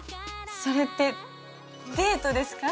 それってデートですか？